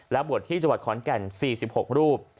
บวชที่จังหวัดขอนแก่น๔๖รูป